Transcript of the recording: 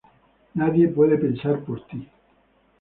Nadie puede pensar por ti.